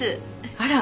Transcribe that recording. あら！